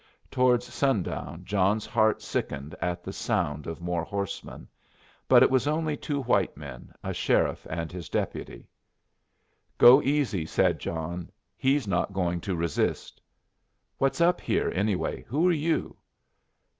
Towards sundown John's heart sickened at the sound of more horsemen; but it was only two white men, a sheriff and his deputy. "Go easy," said John. "He's not going to resist." "What's up here, anyway? Who are you?"